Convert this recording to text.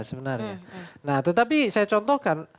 sebenarnya nah tetapi saya contohkan